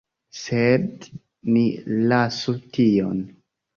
Sed ni lasu tion!